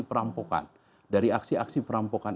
perampokan dari aksi aksi perampokan